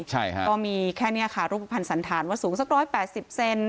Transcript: ก็มีแค่นี่ค่ะรูปผันสันธารว่าสูงสัก๑๘๐เซน